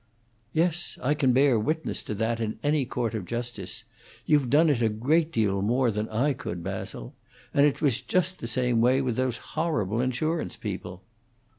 "Yes, I can bear witness to that in any court of justice. You've done it a great deal more than I could, Basil. And it was just the same way with those horrible insurance people."